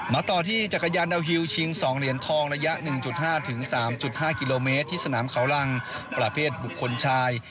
ต่อที่จักรยานดาวฮิวชิง๒เหรียญทองระยะ๑๕๓๕กิโลเมตรที่สนามเขารังประเภทบุคคลชาย